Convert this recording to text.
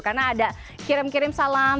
karena ada kirim kirim salam